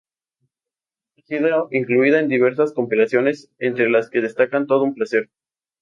Ha sido incluida en diversas compilaciones, entre las que destacan "Todo un placer.